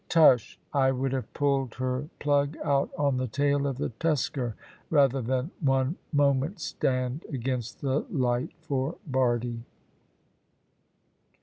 Tush! I would have pulled her plug out on the tail of the Tuskar rather than one moment stand against the light for Bardie.